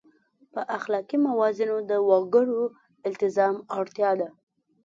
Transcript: په اخلاقي موازینو د وګړو التزام اړتیا ده.